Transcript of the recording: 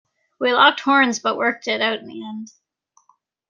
We locked horns but worked it out in the end.